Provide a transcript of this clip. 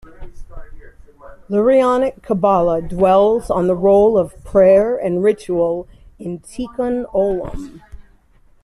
Lurianic Kabbalah dwells on the role of prayer and ritual in "tikkun olam".